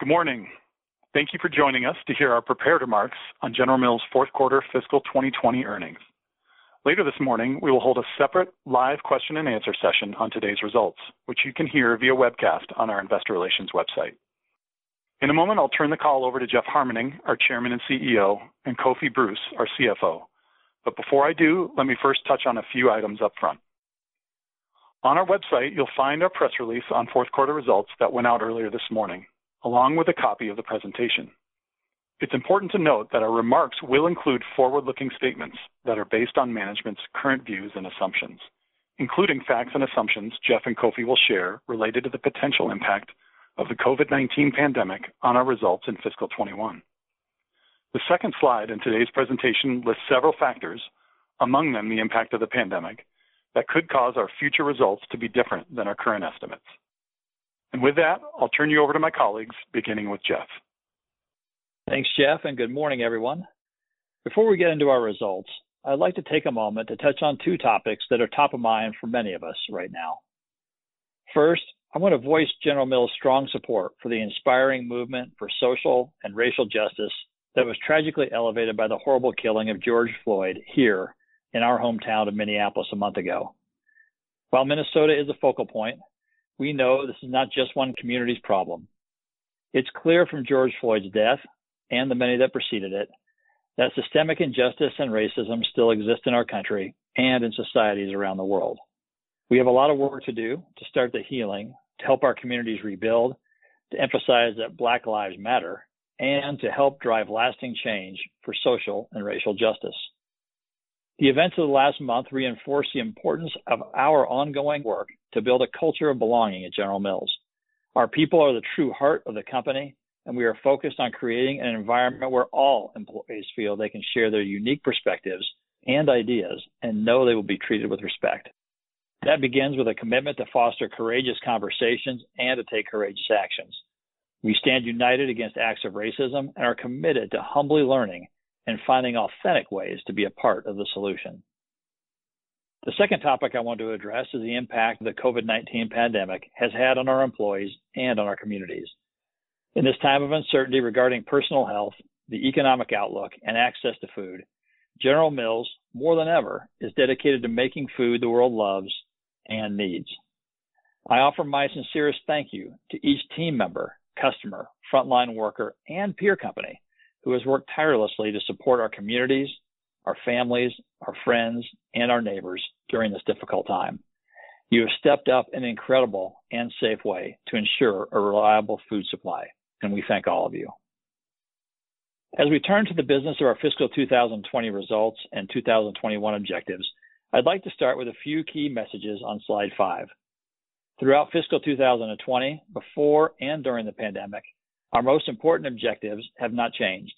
Good morning. Thank you for joining us to hear our prepared remarks on General Mills' fourth quarter fiscal 2020 earnings. Later this morning, we will hold a separate live question and answer session on today's results, which you can hear via webcast on our investor relations website. In a moment, I'll turn the call over to Jeff Harmening, our Chairman and CEO, and Kofi Bruce, our CFO. Before I do, let me first touch on a few items up front. On our website, you'll find our press release on fourth quarter results that went out earlier this morning, along with a copy of the presentation. It's important to note that our remarks will include forward-looking statements that are based on management's current views and assumptions, including facts and assumptions Jeff and Kofi will share related to the potential impact of the COVID-19 pandemic on our results in fiscal 2021. The second slide in today's presentation lists several factors, among them the impact of the pandemic, that could cause our future results to be different than our current estimates. With that, I'll turn you over to my colleagues, beginning with Jeff. Thanks, Jeff, and good morning, everyone. Before we get into our results, I'd like to take a moment to touch on two topics that are top of mind for many of us right now. First, I want to voice General Mills' strong support for the inspiring movement for social and racial justice that was tragically elevated by the horrible killing of George Floyd here in our hometown of Minneapolis a month ago. While Minnesota is a focal point, we know this is not just one community's problem. It's clear from George Floyd's death, and the many that preceded it, that systemic injustice and racism still exist in our country and in societies around the world. We have a lot of work to do to start the healing, to help our communities rebuild, to emphasize that Black Lives Matter, and to help drive lasting change for social and racial justice. The events of the last month reinforce the importance of our ongoing work to build a culture of belonging at General Mills. Our people are the true heart of the company, and we are focused on creating an environment where all employees feel they can share their unique perspectives and ideas and know they will be treated with respect. That begins with a commitment to foster courageous conversations and to take courageous actions. We stand united against acts of racism and are committed to humbly learning and finding authentic ways to be a part of the solution. The second topic I want to address is the impact the COVID-19 pandemic has had on our employees and on our communities. In this time of uncertainty regarding personal health, the economic outlook, and access to food, General Mills, more than ever, is dedicated to making food the world loves and needs. I offer my sincerest thank you to each team member, customer, frontline worker, and peer company who has worked tirelessly to support our communities, our families, our friends, and our neighbors during this difficult time. You have stepped up in an incredible and safe way to ensure a reliable food supply, and we thank all of you. As we turn to the business of our fiscal 2020 results and 2021 objectives, I'd like to start with a few key messages on slide five. Throughout fiscal 2020, before and during the pandemic, our most important objectives have not changed.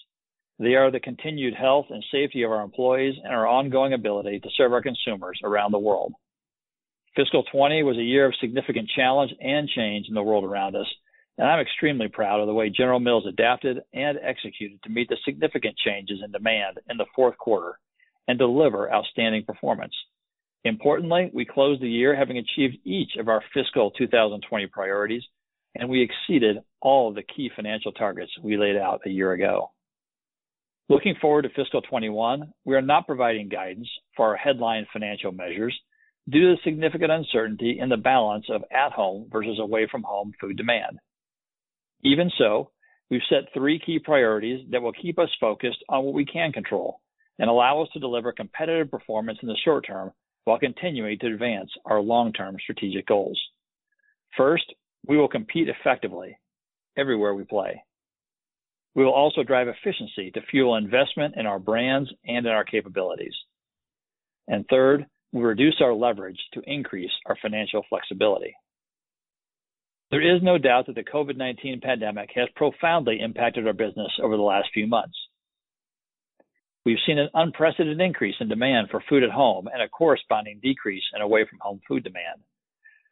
They are the continued health and safety of our employees and our ongoing ability to serve our consumers around the world. Fiscal 2020 was a year of significant challenge and change in the world around us, and I'm extremely proud of the way General Mills adapted and executed to meet the significant changes in demand in the fourth quarter and deliver outstanding performance. Importantly, we closed the year having achieved each of our fiscal 2020 priorities, and we exceeded all the key financial targets we laid out a year ago. Looking forward to fiscal 2021, we are not providing guidance for our headline financial measures due to the significant uncertainty in the balance of at-home versus away-from-home food demand. Even so, we've set three key priorities that will keep us focused on what we can control and allow us to deliver competitive performance in the short term while continuing to advance our long-term strategic goals. First, we will compete effectively everywhere we play. We will also drive efficiency to fuel investment in our brands and in our capabilities. Third, we reduce our leverage to increase our financial flexibility. There is no doubt that the COVID-19 pandemic has profoundly impacted our business over the last few months. We've seen an unprecedented increase in demand for food at home and a corresponding decrease in away-from-home food demand.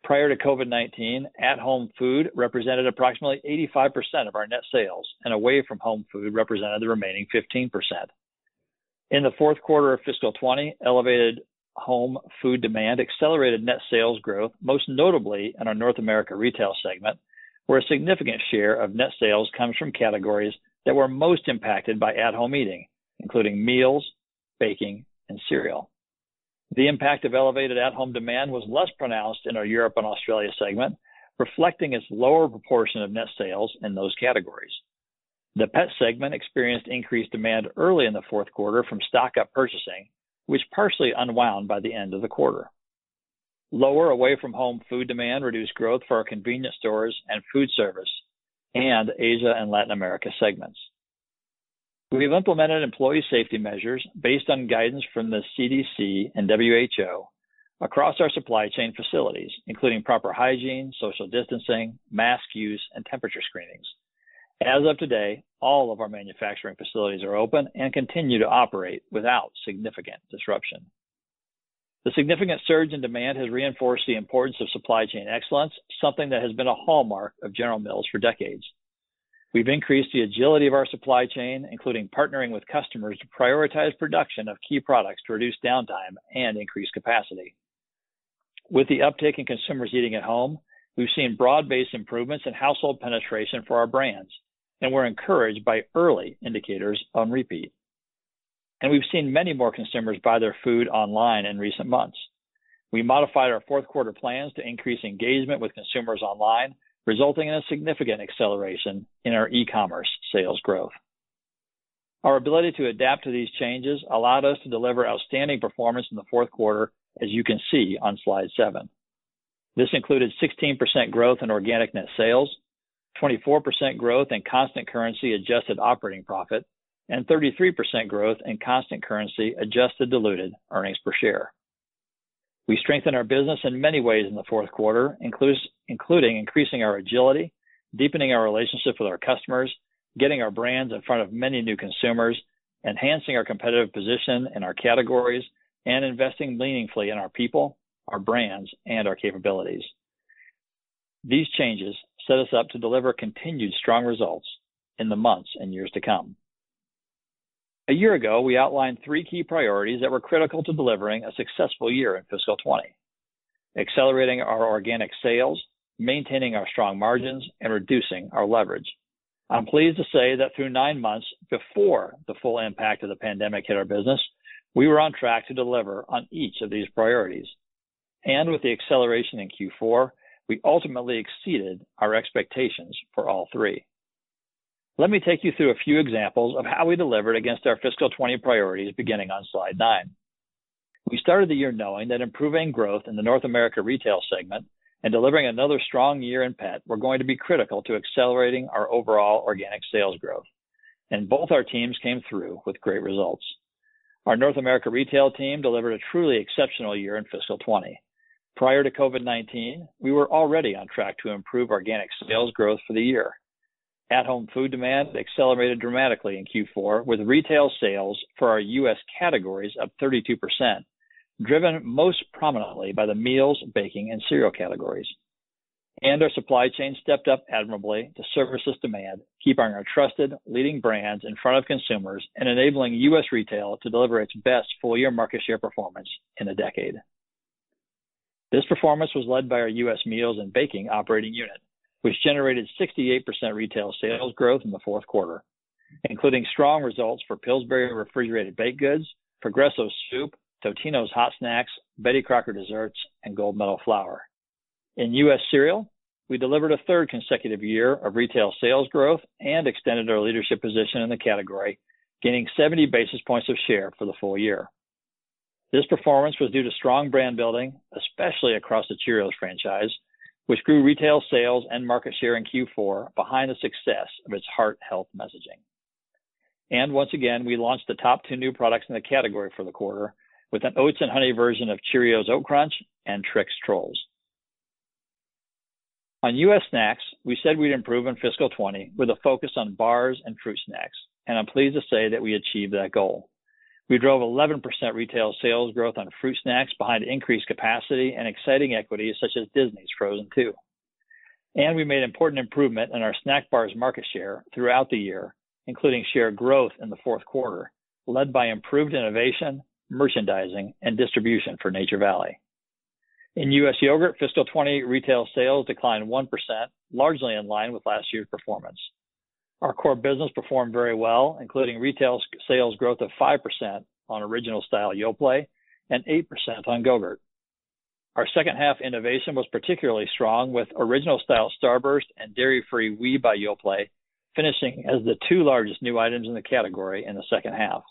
Prior to COVID-19, at-home food represented approximately 85% of our net sales, and away-from-home food represented the remaining 15%. In the fourth quarter of fiscal 2020, elevated home food demand accelerated net sales growth, most notably in our North America Retail segment, where a significant share of net sales comes from categories that were most impacted by at-home eating, including meals, baking, and cereal. The impact of elevated at-home demand was less pronounced in our Europe and Australia segment, reflecting its lower proportion of net sales in those categories. The pet segment experienced increased demand early in the fourth quarter from stock-up purchasing, which partially unwound by the end of the quarter. Lower away-from-home food demand reduced growth for our convenience stores and food service and Asia and Latin America segments. We've implemented employee safety measures based on guidance from the CDC and WHO across our supply chain facilities, including proper hygiene, social distancing, mask use, and temperature screenings. As of today, all of our manufacturing facilities are open and continue to operate without significant disruption. The significant surge in demand has reinforced the importance of supply chain excellence, something that has been a hallmark of General Mills for decades. We've increased the agility of our supply chain, including partnering with customers to prioritize production of key products to reduce downtime and increase capacity. With the uptick in consumers eating at home, we've seen broad-based improvements in household penetration for our brands, and we're encouraged by early indicators on repeat. We've seen many more consumers buy their food online in recent months. We modified our fourth quarter plans to increase engagement with consumers online, resulting in a significant acceleration in our e-commerce sales growth. Our ability to adapt to these changes allowed us to deliver outstanding performance in the fourth quarter, as you can see on slide seven. This included 16% growth in organic net sales, 24% growth in constant currency adjusted operating profit, and 33% growth in constant currency adjusted diluted earnings per share. We strengthened our business in many ways in the fourth quarter, including increasing our agility, deepening our relationship with our customers, getting our brands in front of many new consumers, enhancing our competitive position in our categories, and investing meaningfully in our people, our brands, and our capabilities. These changes set us up to deliver continued strong results in the months and years to come. A year ago, we outlined three key priorities that were critical to delivering a successful year in fiscal 2020. Accelerating our organic sales, maintaining our strong margins, and reducing our leverage. I'm pleased to say that through nine months before the full impact of the pandemic hit our business, we were on track to deliver on each of these priorities. With the acceleration in Q4, we ultimately exceeded our expectations for all three. Let me take you through a few examples of how we delivered against our fiscal 2020 priorities, beginning on slide nine. We started the year knowing that improving growth in the North America retail segment and delivering another strong year in Pet, were going to be critical to accelerating our overall organic sales growth. Both our teams came through with great results. Our North America retail team delivered a truly exceptional year in fiscal 2020. Prior to COVID-19, we were already on track to improve organic sales growth for the year. At-home food demand accelerated dramatically in Q4 with retail sales for our U.S. categories up 32%, driven most prominently by the meals, baking, and cereal categories. Our supply chain stepped up admirably to service this demand, keeping our trusted leading brands in front of consumers and enabling U.S. retail to deliver its best full-year market share performance in a decade. This performance was led by our U.S. Meals and Baking operating unit, which generated 68% retail sales growth in the fourth quarter, including strong results for Pillsbury refrigerated baked goods, Progresso soup, Totino's hot snacks, Betty Crocker desserts, and Gold Medal flour. In U.S. cereal, we delivered a third consecutive year of retail sales growth and extended our leadership position in the category, gaining 70 basis points of share for the full year. This performance was due to strong brand building, especially across the Cheerios franchise, which grew retail sales and market share in Q4 behind the success of its heart health messaging. Once again, we launched the top two new products in the category for the quarter with an oats and honey version of Cheerios Oat Crunch and Trix Trolls. On U.S. snacks, we said we'd improve in fiscal 2020 with a focus on bars and fruit snacks, and I'm pleased to say that we achieved that goal. We drove 11% retail sales growth on fruit snacks behind increased capacity and exciting equities such as Disney's Frozen 2. We made important improvement in our snack bars market share throughout the year, including share growth in the fourth quarter, led by improved innovation, merchandising, and distribution for Nature Valley. In U.S. yogurt, fiscal 2020 retail sales declined 1%, largely in line with last year's performance. Our core business performed very well, including retail sales growth of 5% on original style Yoplait and 8% on Go-GURT. Our second half innovation was particularly strong with Original Style Starburst and dairy-free Oui by Yoplait finishing as the two largest new items in the category in the second half.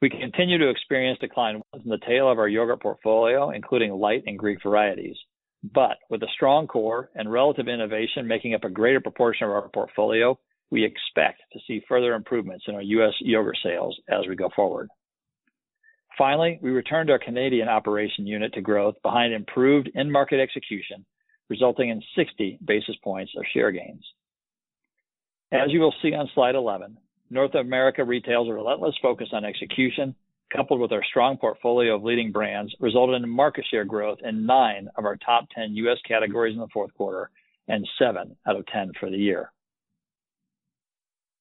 We continue to experience declines in the tail of our yogurt portfolio, including light and Greek varieties. With a strong core and relative innovation making up a greater proportion of our portfolio, we expect to see further improvements in our U.S. yogurt sales as we go forward. Finally, we returned our Canadian operation unit to growth behind improved end market execution, resulting in 60 basis points of share gains. As you will see on slide 11, North America retail's relentless focus on execution, coupled with our strong portfolio of leading brands, resulted in market share growth in nine of our top 10 U.S. categories in the fourth quarter and seven out of 10 for the year.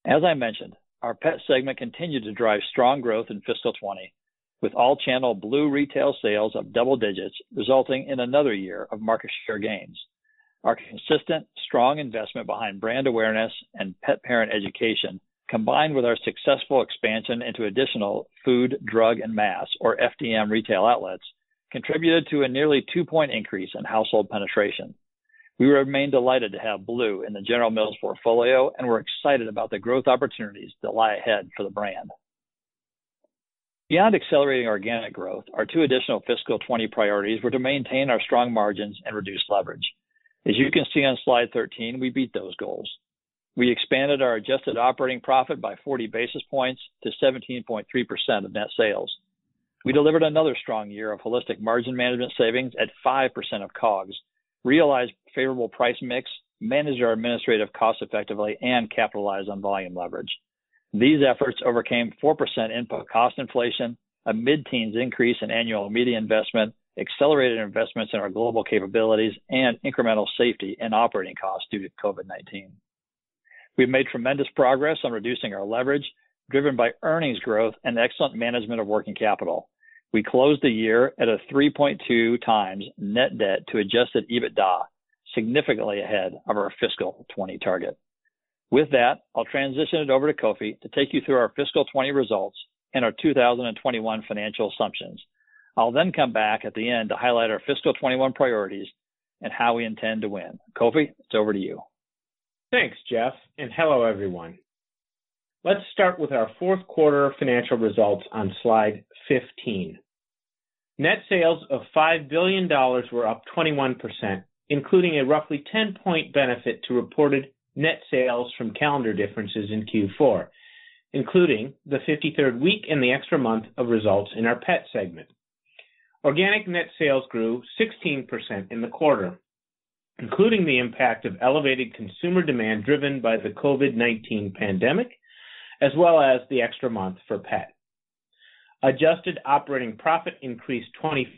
As I mentioned, our pet segment continued to drive strong growth in fiscal 2020, with all-channel Blue retail sales up double digits, resulting in another year of market share gains. Our consistent, strong investment behind brand awareness and pet parent education, combined with our successful expansion into additional food, drug, and mass, or FDM retail outlets, contributed to a nearly two-point increase in household penetration. We remain delighted to have Blue in the General Mills portfolio and we're excited about the growth opportunities that lie ahead for the brand. Beyond accelerating organic growth, our two additional fiscal 2020 priorities were to maintain our strong margins and reduce leverage. As you can see on slide 13, we beat those goals. We expanded our adjusted operating profit by 40 basis points to 17.3% of net sales. We delivered another strong year of holistic margin management savings at 5% of COGS, realized favorable price mix, managed our administrative costs effectively, and capitalized on volume leverage. These efforts overcame 4% input cost inflation, a mid-teens increase in annual media investment, accelerated investments in our global capabilities, and incremental safety and operating costs due to COVID-19. We've made tremendous progress on reducing our leverage, driven by earnings growth and excellent management of working capital. We closed the year at a 3.2x net debt to adjusted EBITDA, significantly ahead of our fiscal 2020 target. With that, I'll transition it over to Kofi to take you through our fiscal 2020 results and our 2021 financial assumptions. I'll come back at the end to highlight our fiscal 2021 priorities and how we intend to win. Kofi, it's over to you. Thanks, Jeff, and hello, everyone. Let's start with our fourth quarter financial results on slide 15. Net sales of $5 billion were up 21%, including a roughly 10-point benefit to reported net sales from calendar differences in Q4, including the 53rd week and the extra month of results in our pet segment. Organic net sales grew 16% in the quarter, including the impact of elevated consumer demand driven by the COVID-19 pandemic as well as the extra month for pet. Adjusted operating profit increased 24%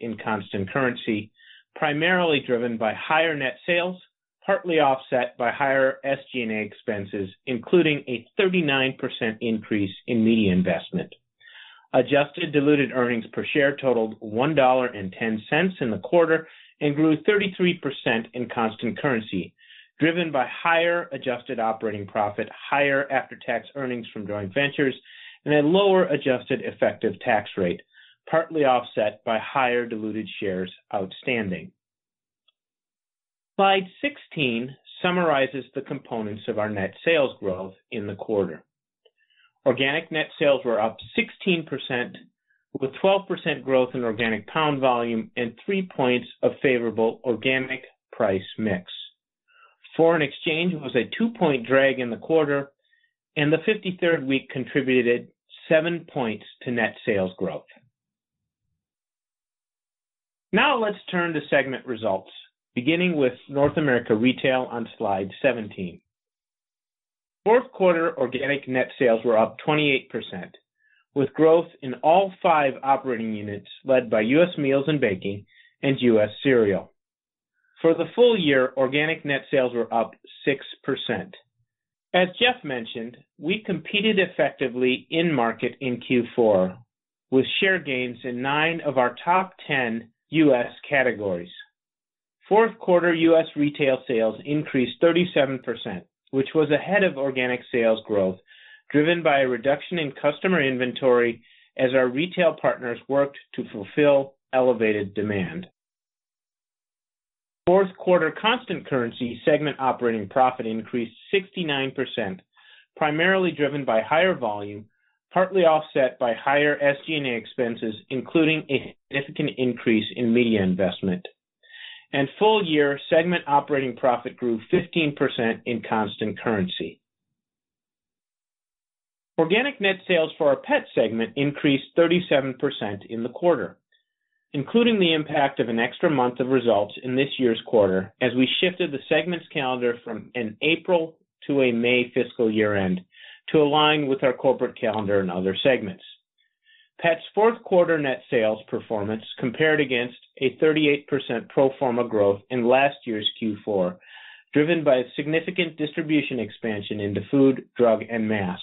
in constant currency, primarily driven by higher net sales, partly offset by higher SG&A expenses, including a 39% increase in media investment. Adjusted diluted earnings per share totaled $1.10 in the quarter and grew 33% in constant currency, driven by higher adjusted operating profit, higher after-tax earnings from joint ventures, and a lower adjusted effective tax rate, partly offset by higher diluted shares outstanding. Slide 16 summarizes the components of our net sales growth in the quarter. Organic net sales were up 16%, with 12% growth in organic pound volume and three points of favorable organic price mix. Foreign exchange was a two-point drag in the quarter, and the 53rd week contributed seven points to net sales growth. Now let's turn to segment results, beginning with North America retail on slide 17. Fourth quarter organic net sales were up 28%, with growth in all five operating units led by U.S. meals and baking and U.S. cereal. For the full year, organic net sales were up 6%. As Jeff mentioned, we competed effectively in market in Q4, with share gains in nine of our top 10 U.S. categories. Fourth quarter U.S. retail sales increased 37%, which was ahead of organic sales growth, driven by a reduction in customer inventory as our retail partners worked to fulfill elevated demand. Fourth quarter constant currency segment operating profit increased 69%, primarily driven by higher volume, partly offset by higher SG&A expenses, including a significant increase in media investment. Full year segment operating profit grew 15% in constant currency. Organic net sales for our pet segment increased 37% in the quarter, including the impact of an extra month of results in this year's quarter as we shifted the segment's calendar from an April to a May fiscal year-end to align with our corporate calendar and other segments. Pet's fourth quarter net sales performance compared against a 38% pro forma growth in last year's Q4, driven by a significant distribution expansion into food, drug, and mass.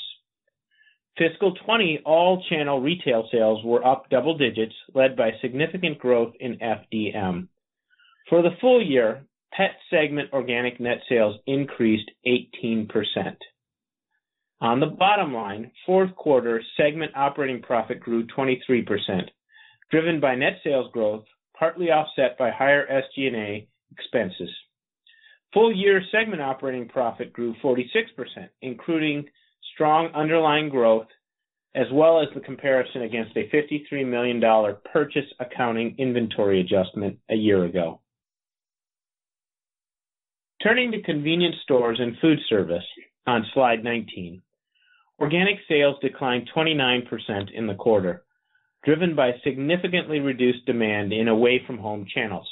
Fiscal 2020 all channel retail sales were up double digits, led by significant growth in FDM. For the full year, pet segment organic net sales increased 18%. On the bottom line, fourth quarter segment operating profit grew 23%, driven by net sales growth, partly offset by higher SG&A expenses. Full year segment operating profit grew 46%, including strong underlying growth, as well as the comparison against a $53 million purchase accounting inventory adjustment a year ago. Turning to convenience stores and food service on slide 19. Organic sales declined 29% in the quarter, driven by significantly reduced demand in away from home channels.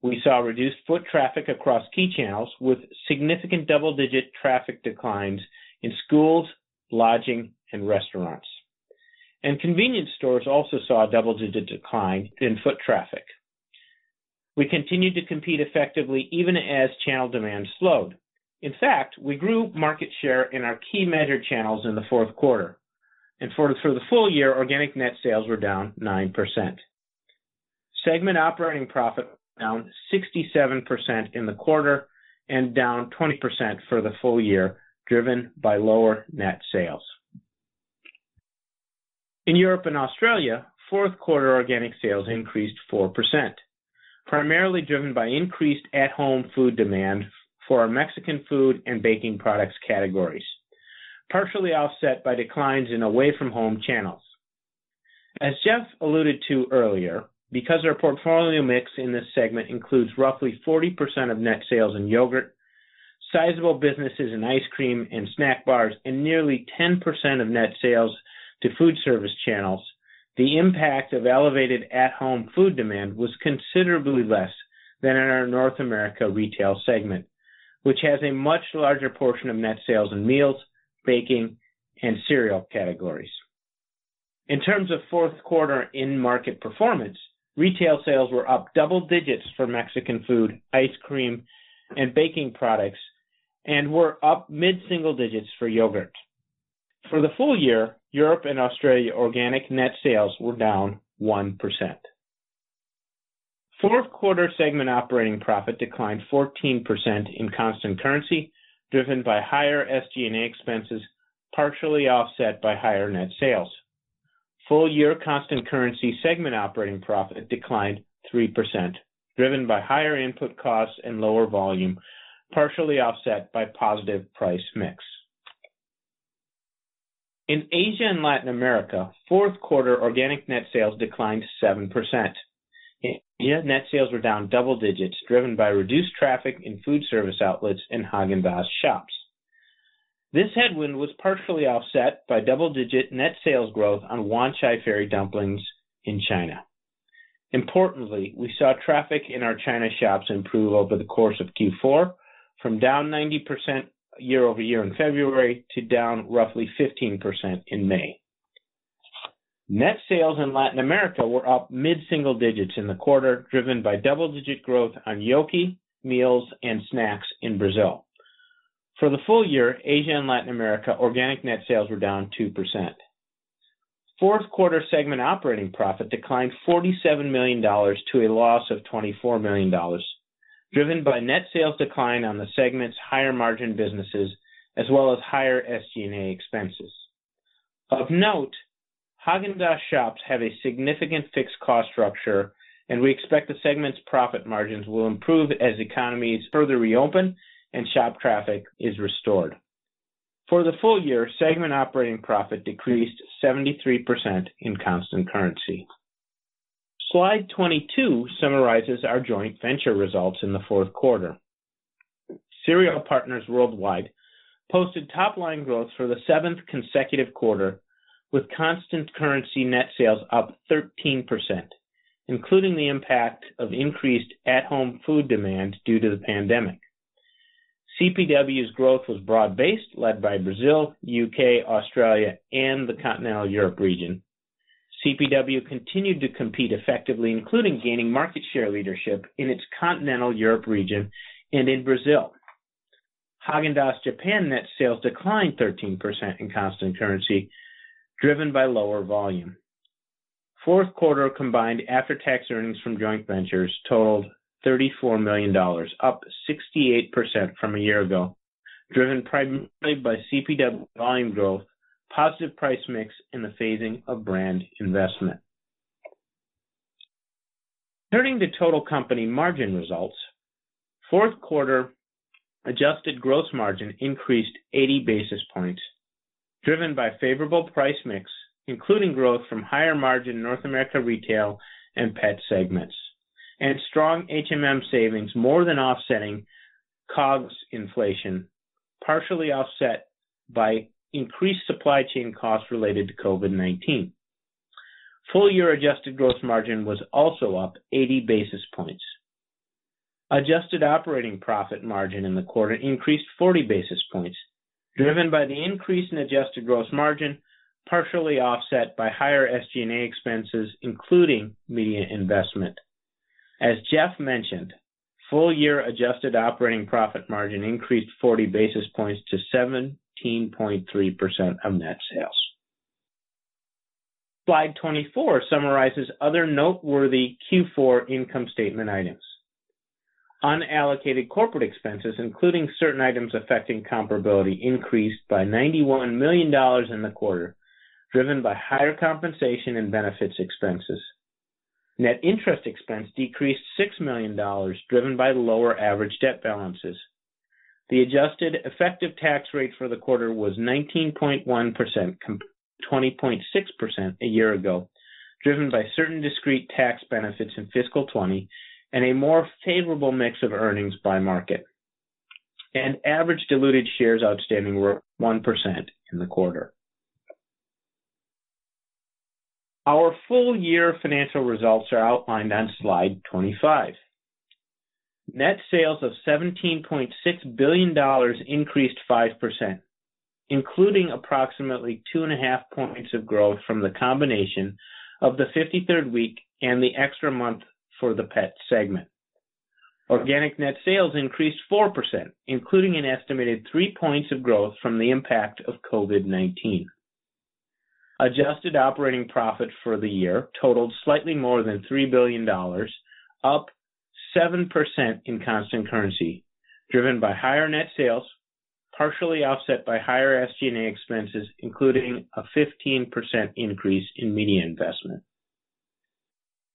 We saw reduced foot traffic across key channels, with significant double-digit traffic declines in schools, lodging, and restaurants. Convenience stores also saw a double-digit decline in foot traffic. We continued to compete effectively even as channel demand slowed. In fact, we grew market share in our key measured channels in the fourth quarter. For the full year, organic net sales were down 9%. Segment operating profit down 67% in the quarter and down 20% for the full year, driven by lower net sales. In Europe and Australia, fourth quarter organic sales increased 4%, primarily driven by increased at home food demand for our Mexican food and baking products categories, partially offset by declines in away from home channels. As Jeff alluded to earlier, because our portfolio mix in this segment includes roughly 40% of net sales in yogurt, sizable businesses in ice cream and snack bars, and nearly 10% of net sales to food service channels, the impact of elevated at-home food demand was considerably less than in our North America retail segment, which has a much larger portion of net sales in meals, baking, and cereal categories. In terms of fourth quarter in-market performance, retail sales were up double digits for Mexican food, ice cream, and baking products, and were up mid-single digits for yogurt. For the full year, Europe and Australia organic net sales were down 1%. Fourth quarter segment operating profit declined 14% in constant currency, driven by higher SG&A expenses, partially offset by higher net sales. Full year constant currency segment operating profit declined 3%, driven by higher input costs and lower volume, partially offset by positive price mix. In Asia and Latin America, fourth quarter organic net sales declined 7%. Net sales were down double digits, driven by reduced traffic in food service outlets in Häagen-Dazs shops. This headwind was partially offset by double-digit net sales growth on Wanchai Ferry dumplings in China. Importantly, we saw traffic in our China shops improve over the course of Q4, from down 90% year-over-year in February to down roughly 15% in May. Net sales in Latin America were up mid-single digits in the quarter, driven by double-digit growth on Yoki meals and snacks in Brazil. For the full year, Asia and Latin America organic net sales were down 2%. Fourth quarter segment operating profit declined $47 million to a loss of $24 million, driven by net sales decline on the segment's higher margin businesses, as well as higher SG&A expenses. Of note, Häagen-Dazs shops have a significant fixed cost structure, and we expect the segment's profit margins will improve as economies further reopen and shop traffic is restored. For the full year, segment operating profit decreased 73% in constant currency. Slide 22 summarizes our joint venture results in the fourth quarter. Cereal Partners Worldwide posted top line growth for the seventh consecutive quarter, with constant currency net sales up 13%, including the impact of increased at-home food demand due to the pandemic. CPW's growth was broad-based, led by Brazil, U.K., Australia, and the Continental Europe region. CPW continued to compete effectively, including gaining market share leadership in its Continental Europe region and in Brazil. Häagen-Dazs Japan net sales declined 13% in constant currency, driven by lower volume. Fourth quarter combined after-tax earnings from joint ventures totaled $34 million, up 68% from a year ago, driven primarily by CPW volume growth, positive price mix, and the phasing of brand investment. Turning to total company margin results, fourth quarter adjusted gross margin increased 80 basis points, driven by favorable price mix, including growth from higher margin North America Retail and Pet segments, and strong HMM savings more than offsetting COGS inflation, partially offset by increased supply chain costs related to COVID-19. Full year adjusted gross margin was also up 80 basis points. Adjusted operating profit margin in the quarter increased 40 basis points, driven by the increase in adjusted gross margin, partially offset by higher SG&A expenses, including media investment. As Jeff mentioned, full year adjusted operating profit margin increased 40 basis points to 17.3% of net sales. Slide 24 summarizes other noteworthy Q4 income statement items. Unallocated corporate expenses, including certain items affecting comparability, increased by $91 million in the quarter, driven by higher compensation and benefits expenses. Net interest expense decreased $6 million, driven by lower average debt balances. The adjusted effective tax rate for the quarter was 19.1%, compared to 20.6% a year ago, driven by certain discrete tax benefits in fiscal 2020 and a more favorable mix of earnings by market. Average diluted shares outstanding were 1% in the quarter. Our full year financial results are outlined on slide 25. Net sales of $17.6 billion increased 5%, including approximately 2.5 points of growth from the combination of the 53rd week and the extra month for the Pet segment. Organic net sales increased 4%, including an estimated three points of growth from the impact of COVID-19. Adjusted operating profit for the year totaled slightly more than $3 billion, up 7% in constant currency, driven by higher net sales, partially offset by higher SG&A expenses, including a 15% increase in media investment.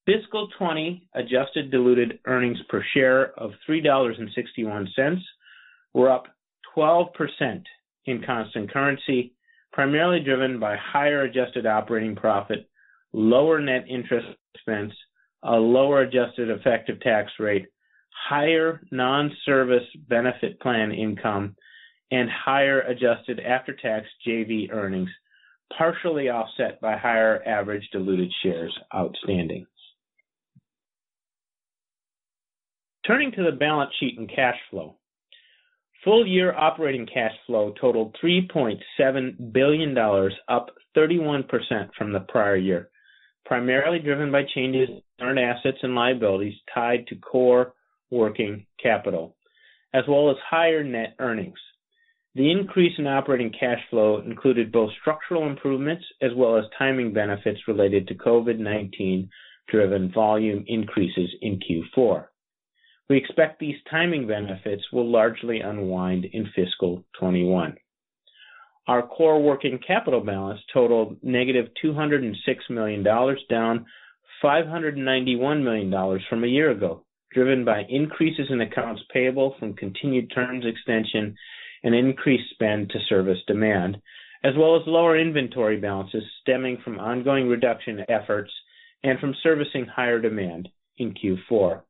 Fiscal 2020 adjusted diluted earnings per share of $3.61 were up 12% in constant currency, primarily driven by higher adjusted operating profit, lower net interest expense, a lower adjusted effective tax rate, higher non-service benefit plan income, and higher adjusted after-tax JV earnings, partially offset by higher average diluted shares outstanding. Turning to the balance sheet and cash flow. Full year operating cash flow totaled $3.7 billion, up 31% from the prior year, primarily driven by changes in current assets and liabilities tied to core working capital, as well as higher net earnings. The increase in operating cash flow included both structural improvements as well as timing benefits related to COVID-19 driven volume increases in Q4. We expect these timing benefits will largely unwind in fiscal 2021. Our core working capital balance totaled -$206 million, down $591 million from a year ago, driven by increases in accounts payable from continued terms extension and increased spend to service demand, as well as lower inventory balances stemming from ongoing reduction efforts and from servicing higher demand in Q4.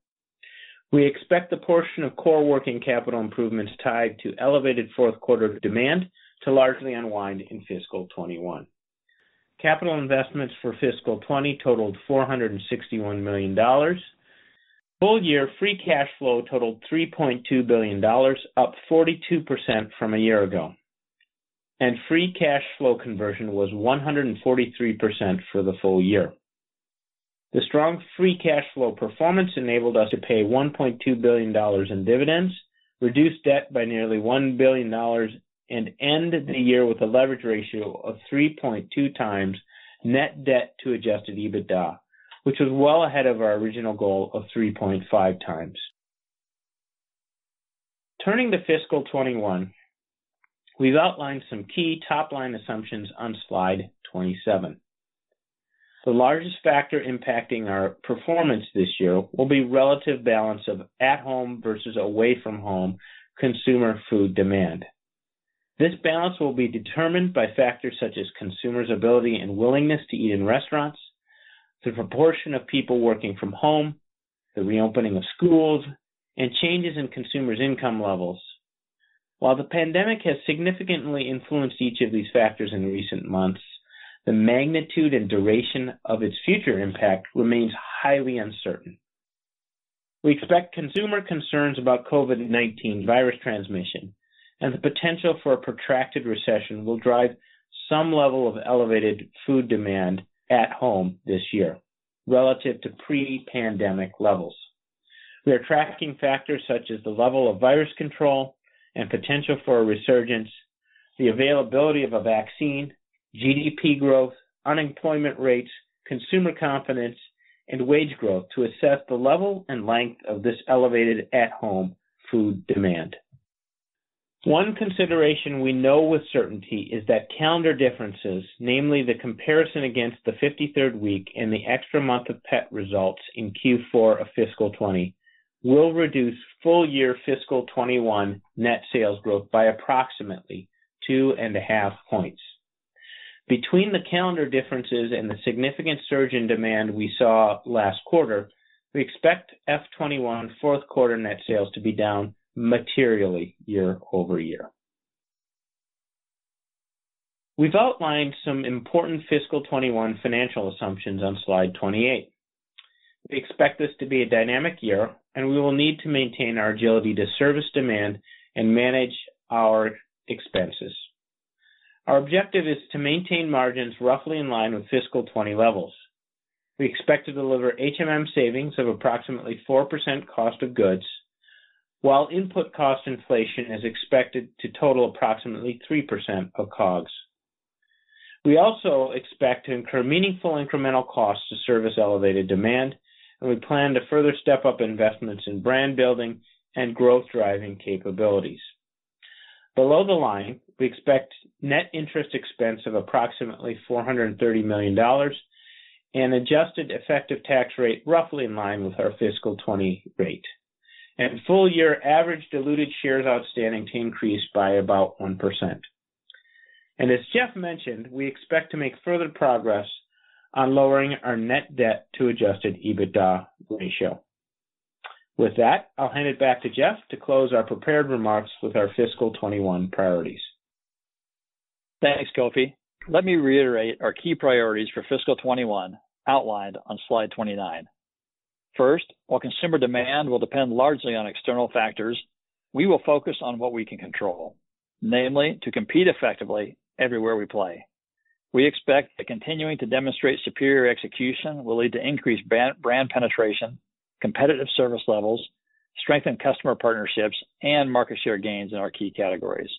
We expect the portion of core working capital improvements tied to elevated fourth quarter demand to largely unwind in fiscal 2021. Capital investments for fiscal 2020 totaled $461 million. Full year free cash flow totaled $3.2 billion, up 42% from a year ago. Free cash flow conversion was 143% for the full year. The strong free cash flow performance enabled us to pay $1.2 billion in dividends, reduce debt by nearly $1 billion, and end the year with a leverage ratio of 3.2x net debt to adjusted EBITDA, which was well ahead of our original goal of 3.5x. Turning to fiscal 2021, we've outlined some key top-line assumptions on slide 27. The largest factor impacting our performance this year will be relative balance of at home versus away from home consumer food demand. This balance will be determined by factors such as consumers' ability and willingness to eat in restaurants, the proportion of people working from home, the reopening of schools, and changes in consumers' income levels. While the pandemic has significantly influenced each of these factors in recent months, the magnitude and duration of its future impact remains highly uncertain. We expect consumer concerns about COVID-19 virus transmission and the potential for a protracted recession will drive some level of elevated food demand at home this year relative to pre-pandemic levels. We are tracking factors such as the level of virus control and potential for a resurgence, the availability of a vaccine, GDP growth, unemployment rates, consumer confidence, and wage growth to assess the level and length of this elevated at home food demand. One consideration we know with certainty is that calendar differences, namely the comparison against the 53rd week and the extra month of pet results in Q4 of fiscal 2020, will reduce full year fiscal 2021 net sales growth by approximately two and a half points. Between the calendar differences and the significant surge in demand we saw last quarter, we expect FY 2021 fourth quarter net sales to be down materially year-over-year. We've outlined some important fiscal 2021 financial assumptions on slide 28. We expect this to be a dynamic year, and we will need to maintain our agility to service demand and manage our expenses. Our objective is to maintain margins roughly in line with fiscal 2020 levels. We expect to deliver HMM savings of approximately 4% cost of goods, while input cost inflation is expected to total approximately 3% of COGS. We also expect to incur meaningful incremental costs to service elevated demand, and we plan to further step up investments in brand building and growth driving capabilities. Below the line, we expect net interest expense of approximately $430 million and adjusted effective tax rate roughly in line with our fiscal 2020 rate. Full year average diluted shares outstanding to increase by about 1%. As Jeff mentioned, we expect to make further progress on lowering our net debt to adjusted EBITDA ratio. With that, I'll hand it back to Jeff to close our prepared remarks with our fiscal 2021 priorities. Thanks, Kofi. Let me reiterate our key priorities for fiscal 2021 outlined on slide 29. First, while consumer demand will depend largely on external factors, we will focus on what we can control, namely to compete effectively everywhere we play. We expect that continuing to demonstrate superior execution will lead to increased brand penetration, competitive service levels, strengthened customer partnerships, and market share gains in our key categories.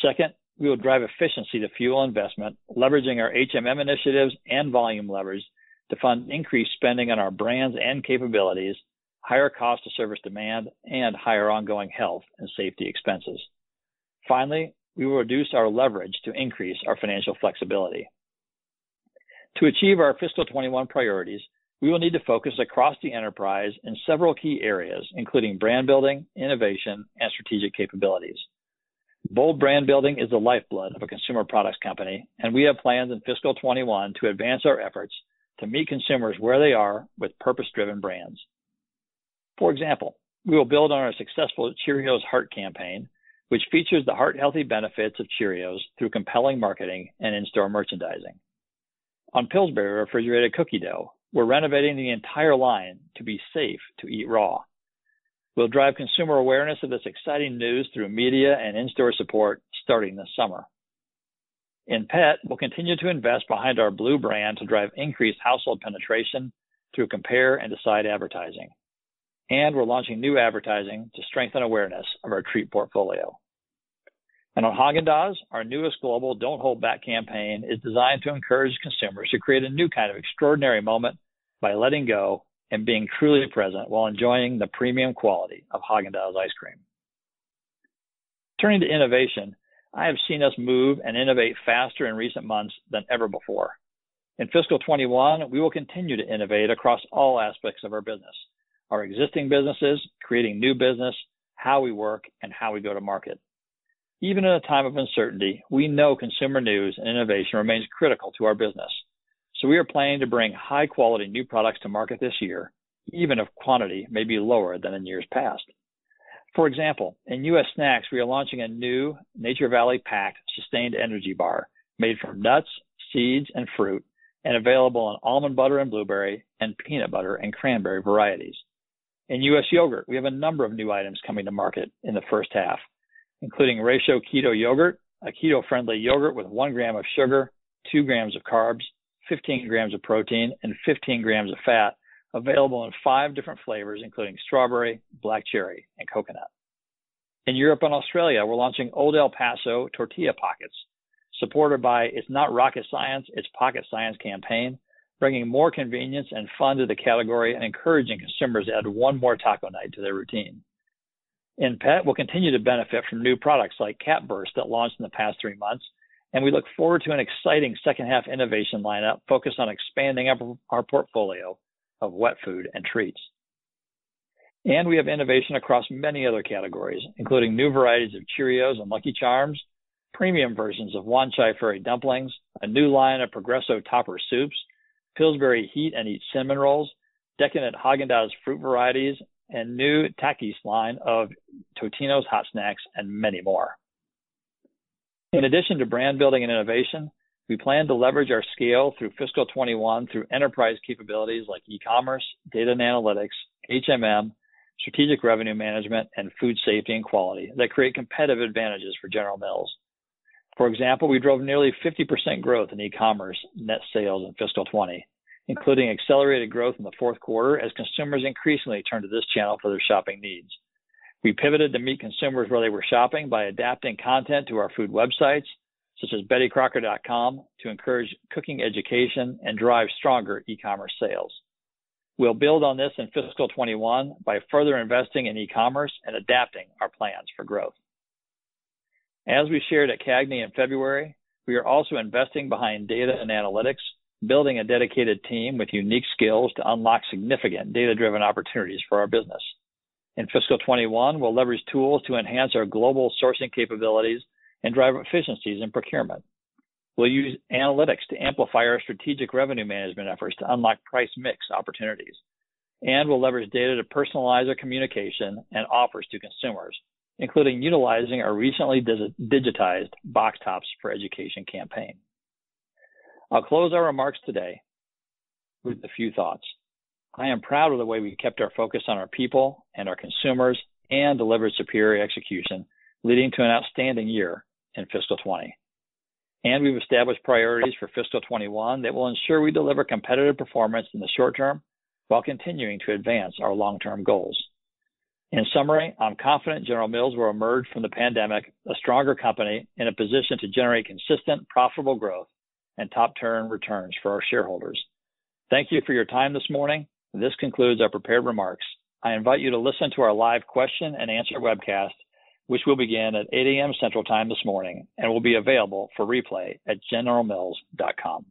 Second, we will drive efficiency to fuel investment, leveraging our HMM initiatives and volume levers to fund increased spending on our brands and capabilities, higher cost to service demand, and higher ongoing health and safety expenses. Finally, we will reduce our leverage to increase our financial flexibility. To achieve our fiscal 2021 priorities, we will need to focus across the enterprise in several key areas, including brand building, innovation, and strategic capabilities. Bold brand building is the lifeblood of a consumer products company. We have plans in fiscal 2021 to advance our efforts to meet consumers where they are with purpose-driven brands. For example, we will build on our successful Cheerios Heart campaign, which features the heart healthy benefits of Cheerios through compelling marketing and in-store merchandising. On Pillsbury refrigerated cookie dough, we're renovating the entire line to be safe to eat raw. We'll drive consumer awareness of this exciting news through media and in-store support starting this summer. In pet, we'll continue to invest behind our Blue brand to drive increased household penetration through compare and decide advertising. We're launching new advertising to strengthen awareness of our treat portfolio. On Häagen-Dazs, our newest global Don't Hold Back campaign is designed to encourage consumers to create a new kind of extraordinary moment by letting go and being truly present while enjoying the premium quality of Häagen-Dazs ice cream. Turning to innovation, I have seen us move and innovate faster in recent months than ever before. In fiscal 2021, we will continue to innovate across all aspects of our business, our existing businesses, creating new business, how we work, and how we go to market. Even in a time of uncertainty, we know consumer needs and innovation remains critical to our business. We are planning to bring high quality new products to market this year, even if quantity may be lower than in years past. For example, in U.S. snacks, we are launching a new Nature Valley PACKED Sustained Energy Bar made from nuts, seeds, and fruit, and available in almond butter and blueberry, and peanut butter and cranberry varieties. In U.S. yogurt, we have a number of new items coming to market in the first half, including :ratio Keto Yogurt, a keto-friendly yogurt with 1 g of sugar, 2 g of carbs, 15 g of protein, and 15 g of fat available in five different flavors, including strawberry, black cherry, and coconut. In Europe and Australia, we're launching Old El Paso Tortilla Pockets, supported by It's Not Rocket Science, It's Pocket Science campaign, bringing more convenience and fun to the category and encouraging consumers to add one more taco night to their routine. In pet, we'll continue to benefit from new products like Cat Bursts that launched in the past three months, and we look forward to an exciting second half innovation lineup focused on expanding our portfolio of wet food and treats. We have innovation across many other categories, including new varieties of Cheerios and Lucky Charms, premium versions of Wanchai Ferry dumplings, a new line of Progresso Toppers soups, Pillsbury Heat & Eat cinnamon rolls, decadent Häagen-Dazs fruit varieties, new Takis line of Totino's hot snacks, and many more. In addition to brand building and innovation, we plan to leverage our scale through fiscal 2021 through enterprise capabilities like e-commerce, data and analytics, HMM, strategic revenue management, and food safety and quality that create competitive advantages for General Mills. For example, we drove nearly 50% growth in e-commerce net sales in fiscal 2020, including accelerated growth in the fourth quarter as consumers increasingly turned to this channel for their shopping needs. We pivoted to meet consumers where they were shopping by adapting content to our food websites, such as bettycrocker.com, to encourage cooking education and drive stronger e-commerce sales. We'll build on this in fiscal 2021 by further investing in e-commerce and adapting our plans for growth. As we shared at CAGNY in February, we are also investing behind data and analytics, building a dedicated team with unique skills to unlock significant data-driven opportunities for our business. In fiscal 2021, we'll leverage tools to enhance our global sourcing capabilities and drive efficiencies in procurement. We'll use analytics to amplify our strategic revenue management efforts to unlock price mix opportunities. We'll leverage data to personalize our communication and offers to consumers, including utilizing our recently digitized Box Tops for Education campaign. I'll close our remarks today with a few thoughts. I am proud of the way we kept our focus on our people and our consumers and delivered superior execution, leading to an outstanding year in fiscal 2020. We've established priorities for fiscal 2021 that will ensure we deliver competitive performance in the short term while continuing to advance our long-term goals. In summary, I'm confident General Mills will emerge from the pandemic a stronger company in a position to generate consistent, profitable growth and top-tier returns for our shareholders. Thank you for your time this morning. This concludes our prepared remarks. I invite you to listen to our live question and answer webcast, which will begin at 8:00 A.M. Central Time this morning and will be available for replay at generalmills.com.